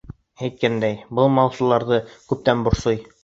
Әйткәндәй, был малсыларҙы күптән борсой.